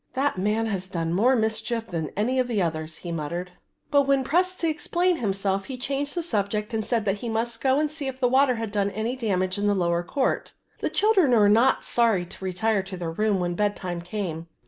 "That man has done more mischief than any of the others," he muttered; but when pressed to explain himself he changed the subject and said he must go and see if the water had done any damage in the lower court. The children were not sorry to retire to their room when bedtime came.